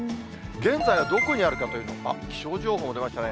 現在はどこにあるかというのを、あっ、気象情報出ましたね。